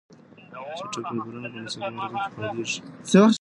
چټک فایبرونه په ناڅاپي حرکت کې فعالېږي.